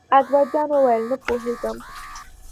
اکبر جان وویل: نه پوهېږم.